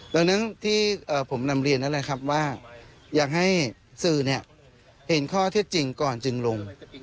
ดังนั้นที่ผมนำเรียนนั่นแหละครับว่าอยากให้สื่อเห็นข้อเท็จจริงก่อนจึงลง